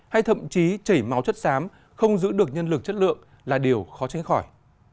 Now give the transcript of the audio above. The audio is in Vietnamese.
hay thậm chí chảy máu chất xám không giữ được nhân lực chất lượng là điều khó tránh khỏi